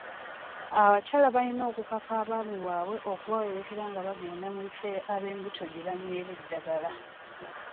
Abakyala balina okukaka abaami baabwe okubawerekera nga bagenda mu bifo ab'embuto gye banywera eddagala.